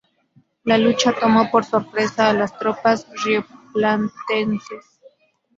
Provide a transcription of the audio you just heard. La lucha tomó por sorpresa a las tropas rioplatenses.